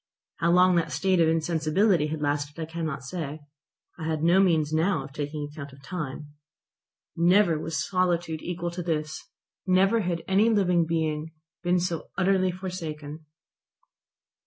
How long that state of insensibility had lasted I cannot say. I had no means now of taking account of time. Never was solitude equal to this, never had any living being been so utterly forsaken.